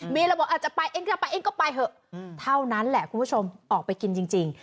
เลยบอกอาจจะไปเองก็จะไปเองก็ไปเถอะเท่านั้นแหละคุณผู้ชมออกไปกินจริง